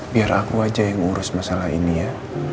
biar aku aja yang urus masalah ini ya